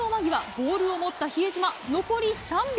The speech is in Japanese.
ボールを持った比江島、残り３秒。